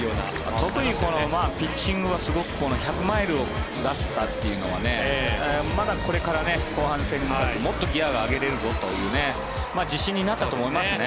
特にピッチングは１００マイルを出せたというのはまだこれから後半戦に向かってどんどんギアが上げれるぞという自信になったと思いますね。